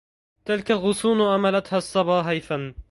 تلك الغصون امالتها الصبا هيفا